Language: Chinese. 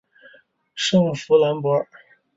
圣夫兰博尔。